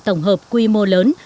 tổng hợp quy mô lớn